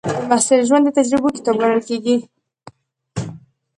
د محصل ژوند د تجربو کتاب ګڼل کېږي.